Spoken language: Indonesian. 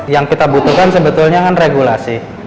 yang kita butuhkan sebetulnya kan regulasi